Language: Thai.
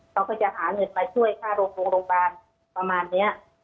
เขาก็จะหาเงินมาช่วยค่าโรงพยาบาลประมาณนี้